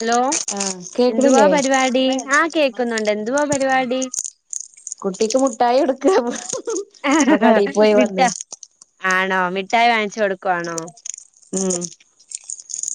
Hello ആഹ് എന്തുവാ കേക്കണില്ലേ പരിപാടി ആ കേക്കുന്നുണ്ട് എന്തുവാ പരിപാടി കുട്ടിക്ക് മുട്ടായി എടുക്ക ഇപ്പൊ കടയിൽ പോയി വന്ന ചായ വാങ്ങിച്ചു കൊടുക്കുവാണോ ഉം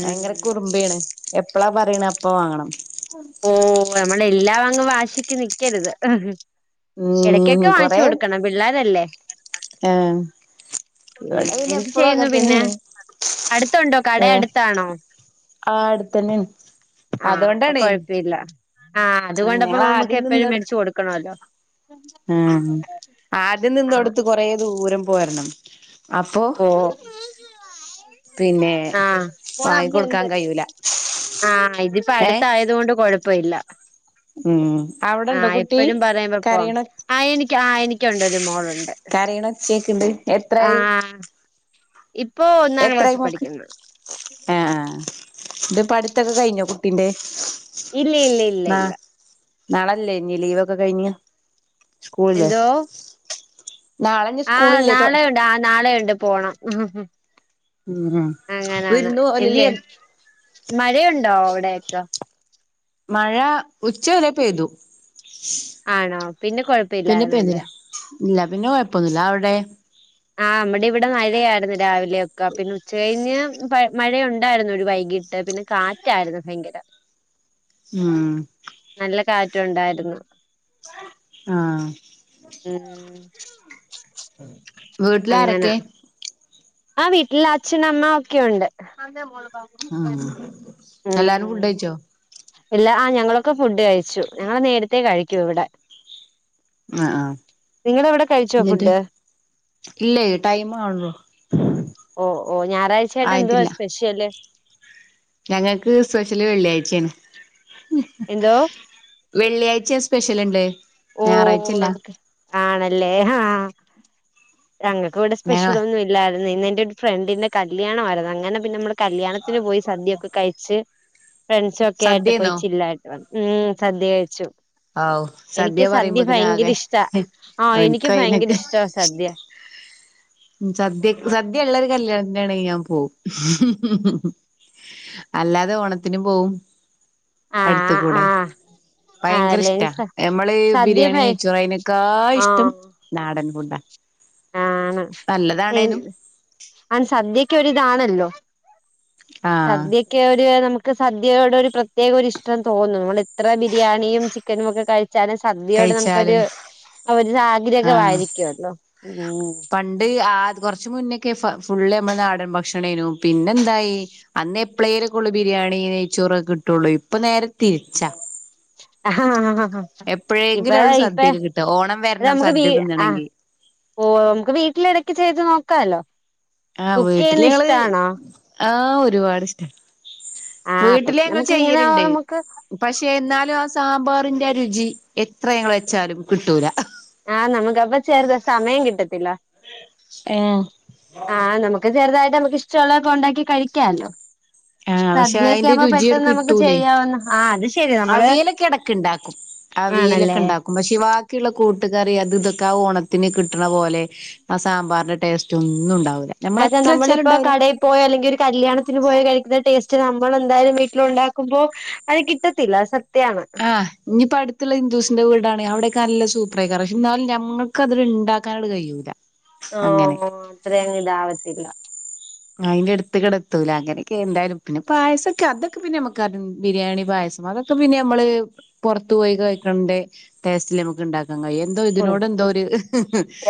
ഉം ഭയങ്കര കുറുമ്പിയാണ് എപ്പളാ പറയണ അപ്പ വാങ്ങണം. ഓ നമ്മളല്ലാം അങ്ങ് വാശിക്ക് നിക്കരുത്. ഇടക്കൊക്കെ വാങ്ങിച്ചു കൊടുക്കണം പിള്ളേരല്ലേ. ആഹ ഇവിടെ ഉം പിന്നെ എന്ത് എപ്പഴും ചെയ്യുന്നു പിന്നെ അങ്ങനെതന്നെയാണ്. അടുത്തുണ്ടോ കട അടുത്താണോ ആ അടുത്തനാണ് അതൊണ്ടാണ്. ആ അതുകൊണ്ടപ്പോ നമ്മുക്ക് എപ്പഴും മേടിച്ചു കൊടുക്കണല്ലോ. ആ ആദ്യം നിന്ന ആഹ് അടുത്ത് കൊറ ദൂരം പോയിരണം അപ്പോ. ഓഹ് പിന്നെ ആഹ് വാങ്ങിക്കൊടുക്കാൻ കഴൂല ആഹ ഇതിപ്പോ അടുത്തായത കൊണ്ട് കൊഴപ്പമില്ല ഉം ആഹ അവിടെണ്ടോ കുട്ടി എപ്പോഴും പറയുമ്പപ്പോ കരയണ ആയനിക്ക് ആയനിക്കുണ്ട് ഒരു മോളുണ്ട്. കാരിയണഒച്ചേക്കിണ്ട്‌ ത്രായി. ഇപ്പൊ ഒന്നാം ക്ലാസ്ൽ മോക്ക് പഠിക്കുന്നു ആഹ് ആഹ് ഇത് പഠിത്തൊക്കെ കഴിഞ്ഞോ കുട്ടീന്റെ ഇല്ലലലല. നളല്ലേ ഇനി ലീവൊക്കെ കഴിഞ്ഞ സ്കൂളില് ആഹ നാളെയണ്ട് ആ നാളെയ ഉണ്ട് പോണം ഉം. ഉം ഉം അങ്ങനാണ് വിരുന്ന് എന്തയ്യ പോവലില്ലേ മഴയുണ്ടോ അവിടെ. മഴ ഉച്ച വില പെയ്തു ആണോ പിന്നെ പിന്നെ പെയ്തില്ല കൊഴപ്പമില്ലായിരുന്നല്ലേ ഇല്ല പിന്നെ കൊഴപ്പൊന്നില്ല അവിടെ ആഹ അമ്മടെ ഇവിടെ മഴയായിരുന്നരാവിലെയൊക്കെ പിന്നെ ഉച്ച കഴിഞ്ഞ് മഴയുണ്ടായിരുന്നു ഒരു വൈകി. ട്ട് പിന്നെ കാറ്റായിരുന്നു ഭയങ്കര ഉഹ ട്ടുണ്ടായിരുന്നു ആഹ് ഉം. അങ്ങനാ വീട്ടിലാരൊക്കെ ആ വീട്ടില് അച്ഛനും അമ്മ ഒക്കെുണ്ട് ആഹ് എല്ലാരും ഫുഡ് ഉം. കഴിച്ചോ ഇല്ല ആ ഞങ്ങളൊക്കെ ഫുഡ് കഴിച്ചു ഞങ്ങനേരത്തേകഴിക്കും ഇവിടെ. ആ ആ നിങ്ങള് ഇവിടെ കഴിച്ചോ എന്നിട്ട് ഫുഡ് ഇല്ല ടൈം കാണോ ഓ ഓ ഞായറാഴ്ചായിട്ട് എന്തുവാ സ്പെഷ്യല്. ഞങ്ങൾക്ക് സ്പെഷ്യല് വെള്ളിയായ്ച്ചാണ്. എന്തോ വെള്ളിയാഴ്ച സ്പെഷ്യലിണ്ട് ഓ ഞായറാഴ്ചല്ലാ. ആണല്ലേ ആഹ ഞങ്ങൾക്ക് ഇവിടെ ഞങ്ങള സ്പെഷ്യൽ ഒന്നുംല്ല ന്ന ന്റെ ഒരു ഫ്രണ്ടിന്റെ കല്യാണമായിരുന്നു അങ്ങനെ പിന്നെ അമ്മൾ കല്യാണത്തിന് പോയി സദ്യയൊക്കെ കഴിച്ച്. ഫ്രണ്ട്സൊക്കെ ആയിട്ട് പോയി സദ്യന്നോ ചില്ലായിട്ട വ ഉം സദ്യ കയ്ച്ചു. ആവു എനിക്ക് സദ്യ പറയുമ്പോത്തിന് ഭയങ്കര ആകെ ഇഷ്ട ആഹ എനിക്ക് ഭയങ്കര ഇഷ്ട സദ്യ ഉം സദ്യക് സദ്യ ഉള്ളത് കല്യാണത്തിനാണേ ഞാൻ പോവും അല്ലാതെ ഓണത്തിനും പോവും ആ അടുത്തുകൂടെ. ആ ഭയങ്കര ആണല്ലേ ഇഷ്ടാ സ ഞമ്മള് സദ്യ ബിരിയാണി ഭയ നെയച്ചോറ അയന്ക്കാഷ്ടം ആഹ് നാടൻ ഫുഡാ. നല്ലതാണേനും ആൻ സദ്യക്കരിതാണല്ലോ. ആഹ് സദ്യക്ക് ഒരു നമുക്ക് സദ്യയോട് ഒരു പ്രത്യേക ഒരു ഇഷ്ടംന്ന് തോന്നുന്നു നമ്മൾ എത്ര ബിരിയാണിയ ചിക്കനും ഒക്കെ കഴിച്ച വച്ചാലും സദ്യയോട് നമുക്കൊരു കഴിച്ചാലും ഒരു സാഗ്രക ആഹ് ആമായിരിക്കുവല്ലോ ഉ കൊറച്ച മുന്നൊക്കെ ഫുള്ള് നമ്മൾ നാടൻ ഭക്ഷണേനു പിന്നെ എന്തായി അന്ന് പ്ലേരൊക്ക ഉള്ളൂ ബിരിയാണി നെയ്ച്ചോറെ കിട്ടുള്ളൂ ഇപ്പൊ നേരെ തിരിച്ചാ. ആഹ ആ എപ്പോഴെങ്കിലും ഇപ്പൊ ഉള്ളു ഇപ്പ സദ്യയൊക്കെ കിട്ടാ ഓണം വരണം നമുക്ക്ീ സദ്യ ആ തിന്നണെങ്കി ഓ മുക്ക് വീട്ടിലിടക്ക് ചെയ്ത് നോക്കാലോ ആഹ് കുക്ക് വീട്ടില് ചെയ്യുന്ന ഞങ്ങള് ഇഷ്ടണോ. ആഹ് ഒരുപാട് ഇഷ്ടം ആഹ് അപ്പൊ വീട്ടില് ഞങ്ങൾ നമുക്കിങ്ങനെ ചെയ്യലണ്ട് നമുക്ക് പക്ഷെ ന്നാ. ആ സാമ്പാറിന്റെ രുചി എത്ര ഞങ്ങള് വെച്ചാലും കിട്ടൂല ആഹ നമുക്കപ്പ ചേർത്ത സമയം കിട്ടത്തില്ല ഏഹ് ആഹ നമുക്ക് ചെറുതായിട്ട് നമുക്ക് ഇഷ്ടമുള്ളതൊക്കെ ഉണ്ടാക്കി കഴിക്കാല്ലോ ആഹ് പക്ഷെ സദ്യൊക്കെ അയിന്റെ ആവുമ്പോ രുചി അങ്ങട് പെട്ടെന്ന് നമുക്ക് കിട്ടൂലേ ചെയ്യാവുന്ന ആ അവിയലൊക്കെ ഇടക്ക് ഇണ്ടാക്കും അവിയലൊക്കെ ആണല്ലേ ഉണ്ടാക്കും പക്ഷെ ബാക്കിയുള്ള. കൂട്ട കറി അത് ഇതൊക്കെ ആ ഓണത്തിന് കിട്ടണ പോലെ ആ സാമ്പാറിന്റെ ടേസ്റ്റ് ഒന്നും ഉണ്ടാവില്ല നമ്മൾ അതെ എത്ര വെച്ചാലും നമ്മളിപ്പോ കടയിൽ പോയോ അല്ലെങ്കിൽ ഒരു കല്യാണത്തിന് പോയോ കഴിക്കുന്ന ടേസ്റ്റ്. പക്ഷെ നമ്മൾെന്തായാലും വീട്ടിൽ ഉണ്ടാക്കുമ്പോ അത് കിട്ടത്തില്ല സത്യാണ് ആഹ് ഇനിയിപ്പോ അടുത്തുള്ള ഇന്ദുസിന്റെ വീടാണ് അവിടെ. ക്കല്ല സൂപ്പറായികാരണം പക്ഷെ ഞമ്മക്കത്ഇ ണ്ടാക്കാൻ കയ്യൂല. ആ അത്രയും അങ്ങ് ഇതാവത്തില്ല. അതിന്റെ അടുത്ത് കിടത്തൂല അങ്ങനെയൊക്കെ എന്തായാലും പിന്നെ പായസൊക്കെ അതൊക്കെ പിന്നെ നമുക്ക് ബിരിയാണി പായസം അതൊക്കെ പിന്നെ നമ്മള് പുറത്തു പോയി കഴിക്കന്റെ ടേസ്റ്റില് നമുക്ക് ഉണ്ടാക്കും ഉ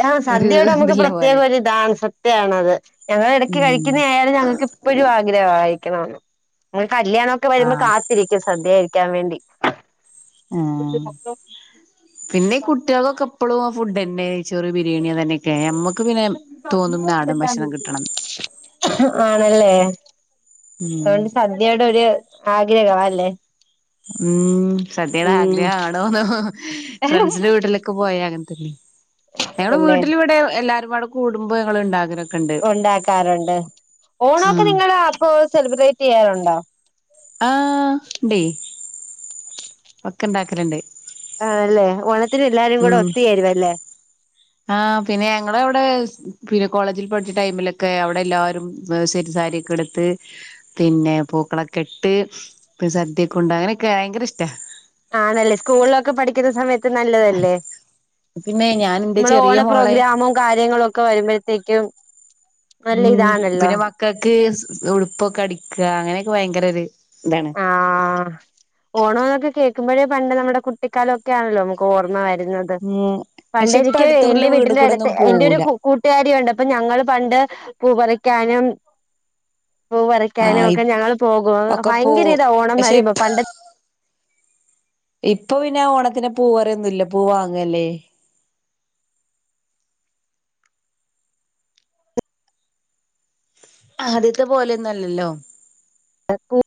ആഹ ഒരു സദ്യയോട് അമക്ക് ഇതില്ല പോലെ പ്രത്യേകം ഒരു ഇതാണ് സത്യയാണത്. ഞങ്ങള ഇടക്ക് ഉം കഴിക്കുന്ന ആയാലും ഞങ്ങൾക്ക് ഇപ്പഴും ആഗ്രഹം വകഴിക്കാനാണ് കല്യാണൊക്കെ വരുമ്പോ ആഹ് കാത്തിരിക്കും സദ്യ കഴിക്കാൻ വേണ്ടി. ആഹ പിന്നെ കു.. മറ്റ അതോക്കെപ്പളും ഫുഡെന്നെ നെയ്‌ച്ചോർ ബിരിയാണിയോ തന്നെക്കെ നക്ക് ആ. ല്ലേ ഉം അതൊണ്ട് സദ്യയോടെ ഒരു ആഗ്രഹ. മാല്ലേ ഉം സദ്യയുടെ ആഗ്രഹ ആണോന്നോ ഫ്രണ്ട്സിന്റെ വീട്ടിലൊക്കെ പോയ അങ്ങനെത്തന്നെ ഞങ്ങൾ അതല്ലേ വീട്ടിലിവിടെ എല്ലാരുംബാടാ കൂടുമ്പോ ഞങ്ങൾഇണ്ടാകണത്. ഉണ്ടാക്കാറുണ്ട് ഓണൊക്കെ ഉം നിങ്ങൾ അപ്പോൊ സെലിബ്രേറ്റ് ചെയ്യാറുണ്ടോ ആഹ ഉണ്ടേ പക്കണ്ടാക്കലുണ്ട് ആല്ലേ ഓണത്തിന് എല്ലാരും കൂടെ ഒത്തുചേരുും അല്ലേ ആ പിന്നെ ഞങ്ങളെവിടെ പിന്നെ കോളേജിൽ പഠിച്ച ടൈമിലൊക്കെ അവിടെ എല്ലാവാരും സെറ്റ്സാ. സാരിയൊക്കെ എടുത്ത് പിന്നെ പൂക്കളൊക്കെ ഇട്ട് പിന്നെ സദ്യൊക്കെ ഉണ്ട് അങ്ങനെയൊക്കെ ഭയങ്കര ഇഷ്ട ആണല്ലേ സ്കൂളിലൊക്കെ പഠിക്കുന്ന സമയത്ത് നല്ലതല്ലേ പിന്നെ ഞാൻ എന്റെ മ്മുടെ ചെറിയ ഓണ മോളെ പ്രോഗ്രാമും കാര്യങ്ങളൊക്കെ വരുമ്പോഴത്തേക്കും. നല്ല ഉം ഇതാണല്ലോ പിന്നെ മക്കൾക്ക് ഉടുപ്പൊക്കെ അടിക്ക അങ്ങനെയൊക്കെ ഭയങ്കര ഒരു. ഇതാണ് ഓണം എന്നൊക്കെ കേൾക്കുമ്പോഴേ പണ്ട് നമ്മുടെ കുട്ടിക്കാലൊക്കൊണല്ലോ നമുക്ക് ഓർമ്മ വെരുന്നത് ഉം പണ്ട് പക്ഷെ ഇപ്പ എനിക്ക് അടുത്തുള്ള എന്റെ വീട് വീട്ടിന്റെ കൂടെ അടുത്ത് ഒന്നും എന്റൊരു പോവൂല കു കൂട്ടുകാരിയുണ്ട് അപ്പൊ ഞങ്ങള് പണ്ട് പൂ പറിക്കാനും പൂ പറിക്കാനും ആഹ് ഒക്കെ ഞങ്ങൾ പോകോ ഒക്കെ ഭയങ്കര പോവും ഇതാ ഓണം പക്ഷെ വരുമ്പോ ഇപ്പ പണ്ടെ ഇപ്പൊ പിന്നെ ഓണത്തിന് പൂവറിന്നുല്ല പൂ വാങ്ങല്ലേ ആദ്യത്തെ പോലെയൊന്നും അല്ലല്ലോ അക്കു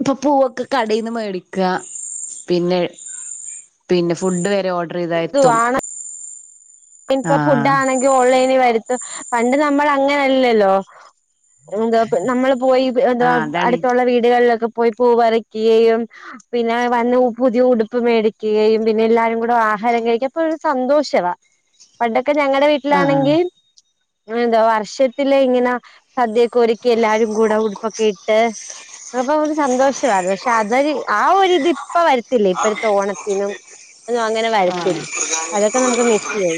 ഇപ്പൊ പൂവൊക്കെ കടേന്ന് മേടിക്കാ പിന്നെ പിന്നെ ഫുഡ് വരെ ഓർഡർ ചെയ്താ എത്തും ഇനിപ്പോ ഫുഡ് ആഹ് ആണെങ്കി ഓൺലൈനി വരുത്ത പണ്ട് നമ്മൾ അങ്ങനെല്ലല്ലോ [unintelligible] നമ്മള് പോയി എന്താ ആഹ് അതാണ് അടുത്തൊള്ള വീടുകളിലൊക്ക പോയി പൂ പററിക്കുകയും പിന്നെ വന്ന് പുതിയ ഉടുപ്പ് മേടിക്കുകയും പിന്നെ എല്ലാരും കൂടെ ആഹാരം കഴിക്കാൻ അപ്പ ഒരു സന്തോഷവാ പണ്ടൊക്കെ ഞങ്ങടെ ആഹ് വീട്ടിലാണെങ്കി എന്താ വർഷത്തില് ഇങ്ങനെ സദ്യക്കെ ഒരുക്കി എല്ലാരും കൂടെ ഉടുപ്പൊക്കെ ഇട്ട് അപ്പൊ ഒരു സന്തോഷവാത് പക്ഷെ അതൊരു ആ ഒരിതിപ്പ വരത്തില്ല ഇപ്പഴത്തെ ഓണത്തിനും അതൊന്നും അങ്ങനെ വരത്തില്ല അതൊക്കെ നമുക്ക്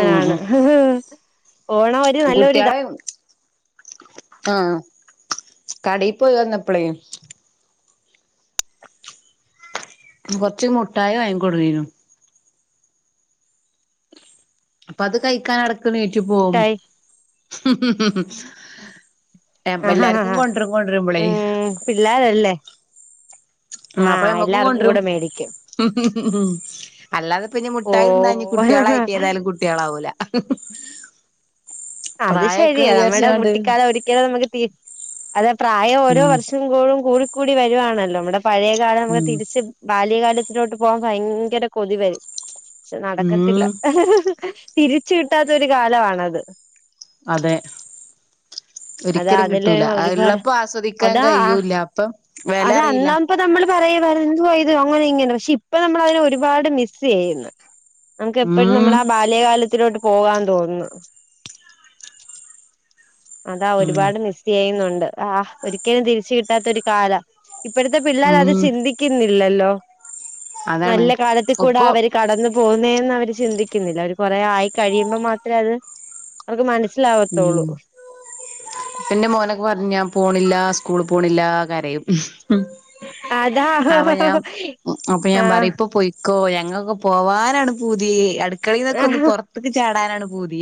ഉം ഉം ഓണ ഒരു നല്ലൊരി ഇതാണ് കുട്ടികളെ ആഹ് കടീ പോയി വന്നപ്പളേ കൊറച്ച് മുട്ടായി വാങ്ങി കൊണ്ടുരിക്കുന്നു അപ്പ അത് കഴിക്കാൻടക്കണേറ്റി പോവും ട്ടായി ആഹാ ഹാ എല്ലാർക്കും ഹാ കൊണ്ടുരും കൊണ്ടരുമ്പളേ ഉം പിള്ളേരല്ലേ മ അപ്പ ആഹ് എമ്മക്കും എല്ലാർക്കും കൊണ്ടരും കൂടെ മേടിക്കും അല്ലാതെ പിന്നെ ഓ മുട്ടായി തിന്നാഞ്ഞു കുട്ടികളായിട്ട് ഏതായാലും കുട്ട്യള ആഉല അത് ശരിയാ നമ്മുടെ കുട്ടിക്കാലം ഒരിക്കലും നമുക്ക് തീ അതെ പ്രായം ഓരോ ഉം വർഷം കൂടും കൂടി കൂടി വരുവായാണല്ലോ നമ്മുടെ പഴയകാലം നമുക്ക് ഉം തിരിച്ച് ബാല്യകാലത്ത് വീട്ടിലോട്ട് പോകൻ ഭയങ്കര കൊതിവരും പക്ഷെ നടക്കത്തില്ല ഉം തിരിച്ചു കിട്ടാത്തൊരു കാലം ആണത്. അതെ അതാ ഒരിക്കലും അതില് കിട്ടൂല ആഹ് ഒരുപാട് ഉള്ളപ്പോ ആസ്വദിക്കാൻ അതാ ആ കഴിയൂല്ല അപ്പം വില അറിയില പറയെ പറ എന്തുവായിത് അങ്ങനെ ഇങ്ങനെ പക്ഷെ ഇപ്പ നമ്മള് അതിനെ ഒരുപാട് മിസ്സ് ചെയ്യ്ന്ന് നമുക്ക് എപ്പഴും ഉം നമ്മുടെ ആ ബാല്യകാലത്തിലോട്ട് പോകാ തോന്നുന്നു അതാ ഒരുപാട് മിസ്സ്ത് ചെയ്യുന്നുണ്ട് ആ ഒരിക്കലും തിരിച്ച് കിട്ടാത്തൊരു കാലം ഇപ്പോഴത്തെ പിള്ളേര് അത് ഉം ചിന്തിക്കുന്നില്ലല്ലോ അതാണ് നല്ല കാലത്ത് കൂടെ ഇപ്പൊ അവര് കടന്ന് പോവുന്നെന്ന് അവ ചിന്തിക്കുന്നില്ല അവര് കൊറെ ആയി കഴിയുമ്പോ മാത്രേ അത് അവർക്ക് മനസ്സിലാവത്തുള്ളൂ ഉം എന്റെ മോനൊക്കെ പറഞ്ഞു ഞാൻ പോണില്ല സ്കൂള് പോണില്ല കരയും അതാ അവ ആഹ് ഞാൻ അപ്പ ഞാൻ പറി ഇപ്പൊ പോയിക്കോ ഞങ്ങളൊക്കെ പോവാൻ എന്താണ് പൂതി അടുക്കളയിന്നൊക്കെ ഒന്ന് ആഹ് പുറത്ത്ക്ക് ചാടാനാണ് പൂതി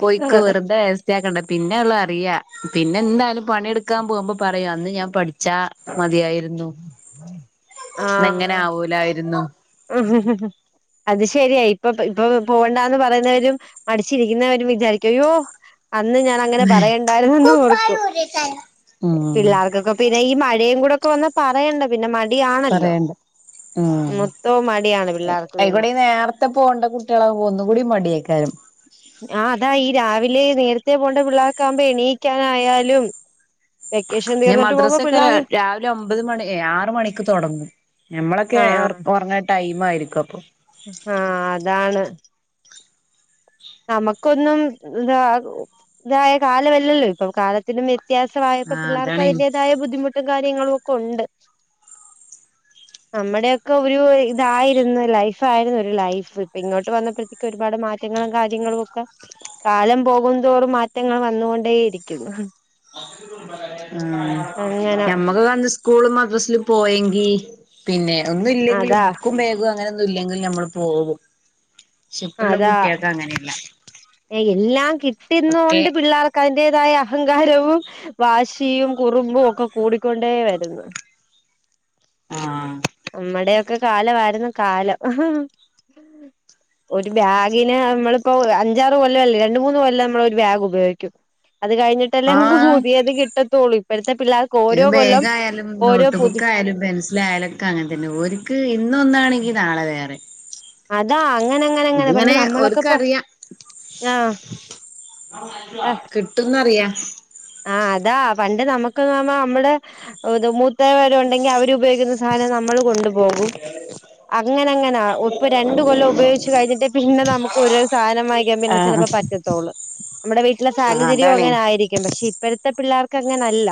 പോയിക്കോ ആഹ് വെറുതെ വേസ്റ്റാക്കണ്ട പിന്നെ ഉള്ള അറിയ പിന്നെ എന്തായാലും പണിയെടുക്ക എക്കാൻ പോകുമ്പോ പറയാൂ അന്ന് ഞാൻ പഠിച്ചാ മതിയായിരുന്നു ഇന്ന് ഇങ്ങനെ ആവൂലായിരുന്നു മ്ഹ് മ്മ്ഹ് മ് ഹ് അത് ശരിയാ ഇപ്പൊ പ്പൊ പോവണ്ടാന്ന് പറയുന്നവരും മടിച്ചിരിക്കുന്നവരും വിചാരിക്കും അയ്യോ അന്ന് ഞാൻ അങ്ങനെ പറയണ്ടായിരുന്നുന്ന് ഓർക്കും ഉം പിള്ളേർക്കൊക്കെ പിന്നെ ഈ മഴ [unintelligible] കൂടൊക്കെ വന്ന പറയണ്ട പിന്നെ മടി ആണല്ലോ പറയണ്ട ഉം മു പോ മടിയാണ് പിള്ളേർക്ക് പിന്ന അയിക്കൂടെ ഈ നേരത്തെ പോണ്ട കുട്ടിയാളവുമ്പോ ഒന്നു കൂടിം മടിയെക്കാരും ആഹ് അതാ ഈ രാവ ഇല്ലേ നേരത്തെ പോണ്ട പിള്ളാർക്കാമ്പം എണീയിക്കാനായാലും ഞാൻ മദ്രാസൊക്കെ രാവിലെ ഒമ്പത് മണി ആറ മണിക്ക് തുടങ്ങും ഞമ്മളൊക്കെ ഉറങ്ങ്ണ ടൈം ആയിരിക്കും അപ്പൊ ആ അതാണ് നമുക്കൊന്നും ന്താ ഇതായ കാലമല്ലല്ലോ ഇപ്പൊ കാലത്തിനും വ്യത്യാസമായപ്പോ ആഹ് പിള്ളാർക്ക് അതാണേ അതിന്റേതായ ബുദ്ധിമുട്ടും കാര്യങ്ങളും ഒക്കെ ഒണ്ട് [inaudible] നമ്മുടെക്കെ ഒരു ഇതായിരുന്നു ലൈഫ് ആയിരുന്നു ഒരു ലൈഫ് ഇപ്പൊ ഇങ്ങോട്ട് വന്നപ്പോഴത്തേക്ക് ഒരുപാട് മാറ്റ- മാറ്റങ്ങളും കാര്യങ്ങളുംമൊക്കെ കാലം പോകുംതോറും മാറ്റങ്ങൾ വന്നുകൊണ്ടേയിരിക്കും അങ്ങനെ ഞമ്മക്കന്ന് സ്കൂളും മദ്രസ് പോയെങ്കി പിന്നെ ഒന്നുല്ലെങ്കിലും അതാ ബുക്കും ബാഗും അങ്ങനെ ല്ലെങ്കിൽ നമ്മൾ പോകും പക്ഷെ ഇപ്പള്ള അതാ കുട്ടികൾക്ക് അങ്ങനെയല്ല എല്ലാ ഒക്കെ കിട്ടുന്നൊണ്ട് പിള്ളേർക്കതി അതിന്റേതായ അഹങ്കാരവും വാശിയും കുറുമ്പും ഒക്കെ കൂടിക്കൊണ്ടേ വരുന്നു ആഹ നമ്മുടെൊക്കെ കാലമായിരുന്നു കാലം [inaudible] ഒരു ബാഗിന് നമ്മളിപ്പോ അഞ്ചാറ് കൊല്ലം അല്ലേ രണ്ട മൂന്ന് കൊല്ലം നമ്മള ഒരു ബാഗ് ഉപയോഗിക്കും അത് കഴിഞ്ഞിട്ടല്ലേ മുക്ക് പുതിയത് കിട്ടത്തോള് ബേഗ് ആയാലും ഓരോ നോട്ട് പുതി ബുക്ക് ആയാലും പെൻസൽ ആയാലൊക്കെ അങ്ങനെ ന്നെ ഒര്ക്ക് ഇന്നൊന്നാണെങ്കി നാളെ വേറെ അതാ അങ്ങനെ അങ്ങനെ അങ്ങനെ പണ്ട് ഇതിങ്ങനെ നമ്മളൊക്കെ ഇപ്പ ഓര്ക്കറിയാം ആഹ് കിട്ടുംന്നറിയാ ആഹ് അതാ പണ്ട് നമുക്കൊന്ന് ആവുമ്പോ നമ്മടെ മൂത്ത വരുണ്ടെങ്കി അവരു ഉപയോഗി- നമ്മൾ കൊണ്ടു പോകും അങ്ങനങ്ങനാ ഇപ്പ രണ്ട കൊല്ലം ഉപയോഗിച്ചച്ച് കഴിഞ്ഞിട്ട് പിന്നെ നമുക്ക് ഒരു സാനം വാങ്ങിക്കാൻ പിന്നെ ആഹ് ചെലപ്പോ പറ്റത്തൊള് നമ്മുടെ വീട്ടിലെ ആഹ് സാഹചര്യവും അതാണേ അങ്ങനെ ആയിരിക്കും പക്ഷെ ഇപ്പഴത്തെ പിള്ളേർക്ക് അങ്ങനല്ല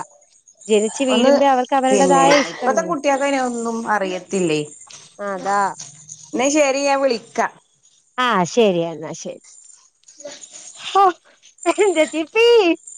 ജനിച്ചു ഒന്ന് വീഴുമ്പോ അവർക്ക് പിന്നെ അവരുടേതായ ഇപ്പത്തെ ഇഷ്ടങ്ങള് കുട്ടിയെ ക്കയ്നൊന്നും അറിയത്തില്ലേ അതാ ന്ന ശെരി ഞാൻ വിളിക്കാ ആ ശെരിയെന്നാ ശെരി [inaudible] [unintelligible]